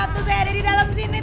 waktu saya ada di dalam sini